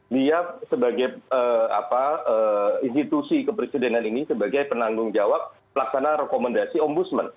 dia sebagai institusi kepresidenan ini sebagai penanggung jawab pelaksana rekomendasi ombudsman